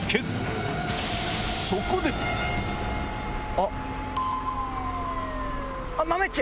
あっ！